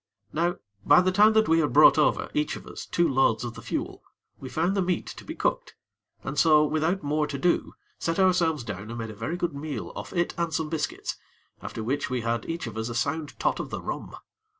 Now by the time that we had brought over, each of us, two loads of the fuel, we found the meat to be cooked, and so, without more to do, set ourselves down and made a very good meal off it and some biscuits, after which we had each of us a sound tot of the rum.